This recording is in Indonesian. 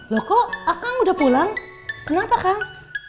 loh kok akang udah pulang kenapa kang